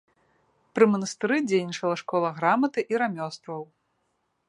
Пры манастыры дзейнічала школа граматы і рамёстваў.